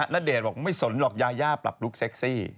ณเดชน์บอกไม่สนหรอกยายาปรับลุคเซ็กซี่